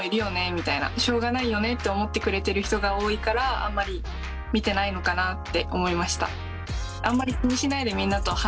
みたいな「しょうがないよね」と思ってくれてる人が多いからあんまり見てないのかなって思いました。